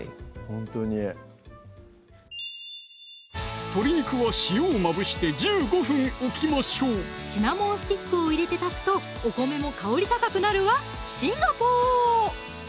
ほんとに鶏肉は塩をまぶして１５分置きましょうシナモンスティックを入れて炊くとお米も香り高くなるわシンガポー！